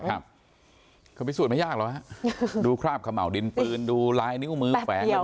ครับความพิสูจน์ไม่ยากหรอกดูคราบขะเหมาดินฟืนดูลายนิ้วมือแฟนแป๊บเดี๋ยว